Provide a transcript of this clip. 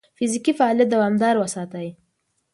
فزیکي فعالیت دوامداره وساتئ.